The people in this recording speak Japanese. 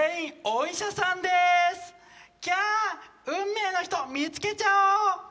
キャー、運命の人、見つけちゃおう！